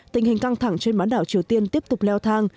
tình hình căng thẳng trên bán đảo triều tiên tiếp tục leo thang